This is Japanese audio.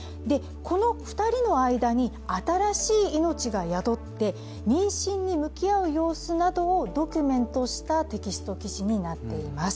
この２人の間に新しい命が宿って妊娠に向き合う様子などドキュメントにしたテキストなんです。